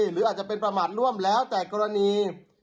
หรืออาจจะเป็นประมาทร่วมแล้วแต่กรณี